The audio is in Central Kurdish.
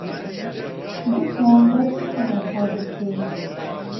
گوتمان با زوو خۆمان حازر بکەین